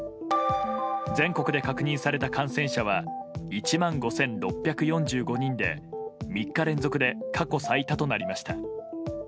全国で確認された感染者は１万５６４５人で３日連続で過去最多となりました。